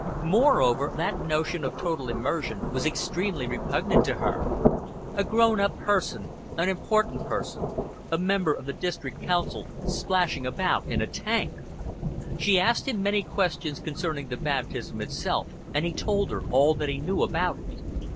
Moreover, that notion of total immersion was extremely repugnant to her. A grown up person, an important person, a member of the District Council, splashing about in a tank! She asked him many questions concerning the baptism itself, and he told her all that he knew about it.